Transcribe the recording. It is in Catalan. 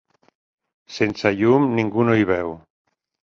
Sense llum ningú no hi veu.